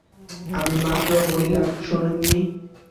আমি মাত্র কী বললাম শোনেননি?